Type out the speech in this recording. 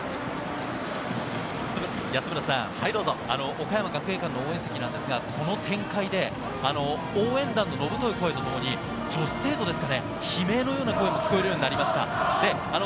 岡山学芸館の応援席はこの展開で、応援団の野太い声とともに、女子生徒の悲鳴のような声も聞こえるようになりました。